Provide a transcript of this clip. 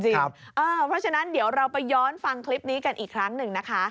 เพราะฉะนั้นเดี๋ยวเราไปย้อนฟังคลิปนี้กันอีกครั้งหนึ่งนะคะ